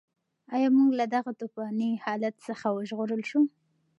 ایا موږ له دغه توپاني حالت څخه وژغورل شوو؟